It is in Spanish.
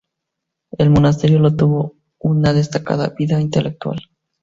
El monasterio tuvo una destacada vida intelectual.